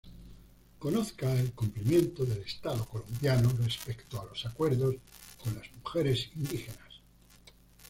Conozca el cumplimiento del Estado Colombiano respecto a los acuerdos con las mujeres indígenas.